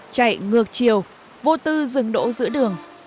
chạy ngược chiều vô tư dừng đổ giữa đường